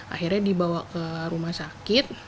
akhirnya dibawa ke rumah sakit